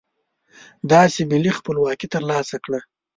داسې ملي خپلواکي ترلاسه کړه.